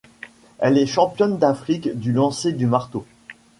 Elle est championne d'Afrique du lancer du marteau.